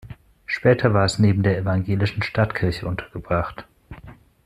Später war es neben der evangelischen Stadtkirche untergebracht.